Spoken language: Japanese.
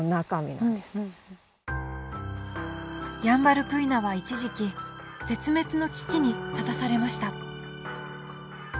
ヤンバルクイナは一時期絶滅の危機に立たされました。